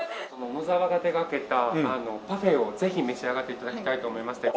野澤が手掛けたパフェをぜひ召し上がって頂きたいと思いまして。